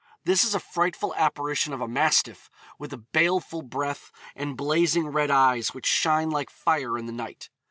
This is a frightful apparition of a mastiff, with a baleful breath and blazing red eyes which shine like fire in the night.